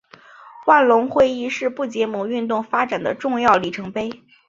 万隆会议是不结盟运动发展的重要里程碑。